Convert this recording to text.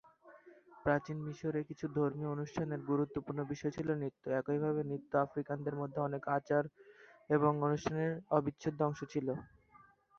প্রাচীন মিশরে কিছু ধর্মীয় অনুষ্ঠানের গুরুত্বপূর্ণ বিষয় ছিল নৃত্য, একইভাবে নৃত্য আফ্রিকানদের মধ্যে অনেক আচার এবং অনুষ্ঠানে অবিচ্ছেদ্য অংশ ছিল।